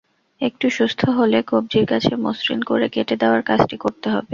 একটু সুস্থ হলে কবজির কাছে মসৃণ করে কেটে দেওয়ার কাজটি করতে হবে।